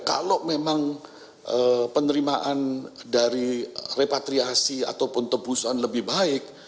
kalau memang penerimaan dari repatriasi ataupun tebusan lebih baik